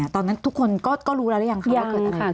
ตอนนั้นทุกคนก็รู้แล้วหรือยังคะว่าเกิดอะไรขึ้น